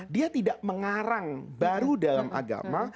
dia tidak mengarang baru dalam agama